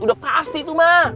udah pasti itu ma